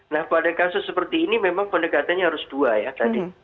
nah pada kasus seperti ini memang pendekatannya harus dua ya tadi